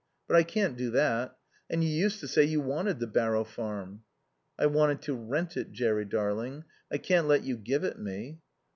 But I can't do that. And you used to say you wanted the Barrow Farm." "I wanted to rent it, Jerry darling. I can't let you give it me."